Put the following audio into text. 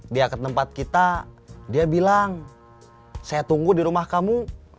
dia bilang saya tunggu di rumah kamu